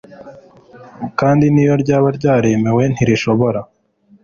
kandi n iyo ryaba ryaremewe ntirishobora